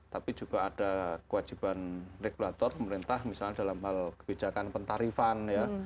tapi juga ada kewajiban regulator pemerintah misalnya dalam hal kebijakan pentarifan ya